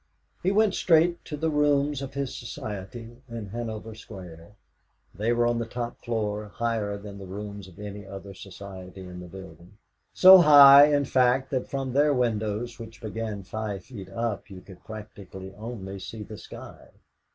He went straight to the rooms of his Society in Hanover Square. They were on the top floor, higher than the rooms of any other Society in the building so high, in fact, that from their windows, which began five feet up, you could practically only see the sky.